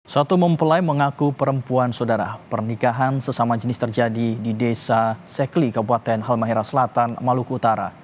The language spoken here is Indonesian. satu mempelai mengaku perempuan saudara pernikahan sesama jenis terjadi di desa sekli kabupaten halmahera selatan maluku utara